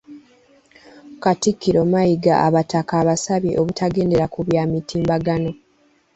Katikkiro Mayiga abataka abasabye obutagendera ku bya mitimbagano